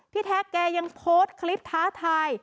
แท็กแกยังโพสต์คลิปท้าทาย